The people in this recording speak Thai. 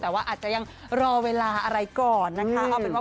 แต่ว่าอาจจะยังรอเวลาอะไรก่อนนะคะ